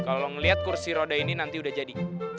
kalau melihat kursi roda ini nanti udah jadi